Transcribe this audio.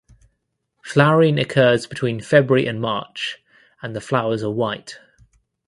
Flowering occurs between February and March and the flowers are white.